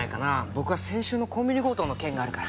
僕は先週のコンビニ強盗の件があるから。